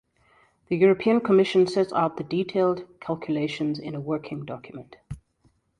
The European Commission sets out the detailed calculations in a working document.